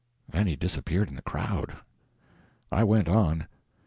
Then he disappeared in the crowd. I went on.